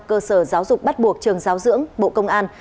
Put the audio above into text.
cơ sở giáo dục bắt buộc trường giáo dưỡng bộ công an